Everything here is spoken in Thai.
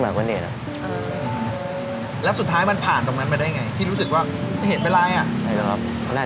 พอก็อยู่มาสักพักตอนที่โดนเพื่อนเลาะ